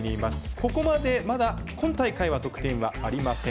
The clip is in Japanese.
ここまでまだ今大会は得点はありません。